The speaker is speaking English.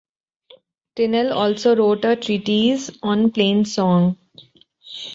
Tinel also wrote a treatise on plain-song.